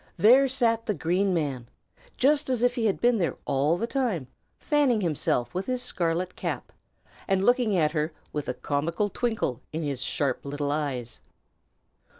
there sat the Green Man, just as if he had been there all the time, fanning himself with his scarlet cap, and looking at her with a comical twinkle in his sharp little eyes.